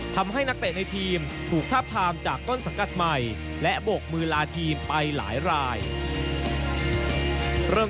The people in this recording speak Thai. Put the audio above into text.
ทำให้นักเตะในทีมถูกทาบทามจากต้นสังกัดใหม่